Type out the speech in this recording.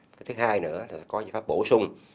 cái thứ hai nữa là có giải pháp bổ sung